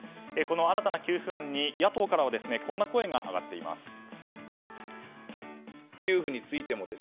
この新たな給付案に野党からはこんな声が上がっています。